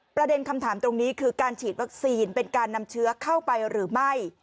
ประเด็นคำถามตรงนี้คือการฉีดวัคซีนเป็นการนำเชื้อเข้าไปหรือไม่